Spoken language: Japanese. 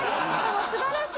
もう素晴らしい！